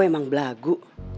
ibu emang belagu